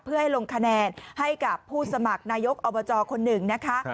เพื่อให้ลงคะแนนให้กับผู้สมัครนายกอบจคนหนึ่งนะคะ